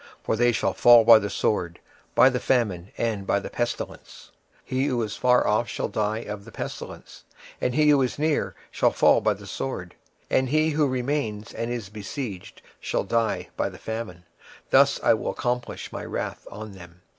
for they shall fall by the sword, by the famine, and by the pestilence. 26:006:012 He that is far off shall die of the pestilence; and he that is near shall fall by the sword; and he that remaineth and is besieged shall die by the famine: thus will I accomplish my fury upon them.